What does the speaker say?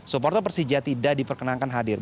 soporta persidia tidak diperkenankan hadir